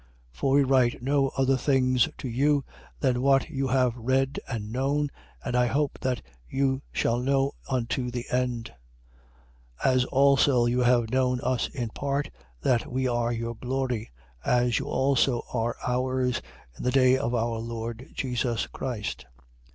1:13. For we write no other things to you than what you have read and known. And I hope that you shall know unto the end. 1:14. As also you have known us in part, that we are your glory: as you also are ours, in the day of our Lord Jesus Christ.